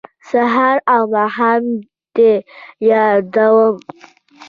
سهار او ماښام دې یادوم